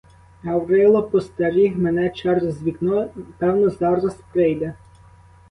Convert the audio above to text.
Гаврило постеріг мене через вікно, певно, зараз прийде.